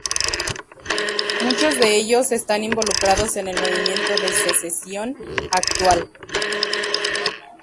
Muchos de ellos están involucrados en el movimiento de secesión actual.